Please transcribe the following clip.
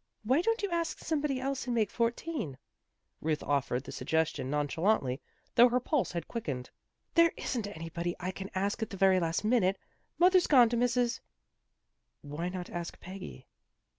"" Why don't you ask somebody else and make fourteen." Ruth offered the suggestion non chalantly, though her pulse had quickened. " There isn't anybody I can ask at the very last minute. Mother's gone to Mrs. '" Why not ask Peggy?